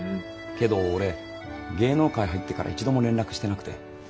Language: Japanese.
けど俺芸能界入ってから一度も連絡してなくて。